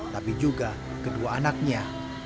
tapi juga kedua anaknya